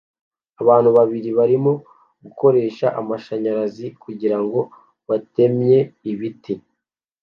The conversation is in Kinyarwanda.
Abantu babiri barimo gukoresha amashanyarazi kugirango batemye ibiti